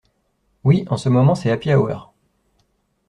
Oui en ce moment c'est happy hour.